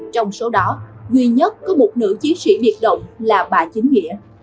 trong số đó duy nhất có một nữ chiến sĩ biệt động là bà chính nghĩa